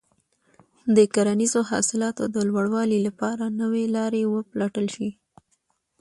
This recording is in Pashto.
د کرنیزو حاصلاتو د لوړوالي لپاره نوې لارې وپلټل شي.